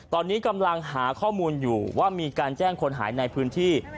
ตอนนี้กำลังหาข้อมูลอยู่ว่ามีการแจ้งคนหายในพื้นที่